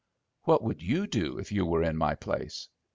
"What would you do if you were in my place?"